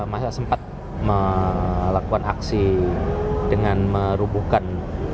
masa sempat melakukan aksi dengan merubuhkan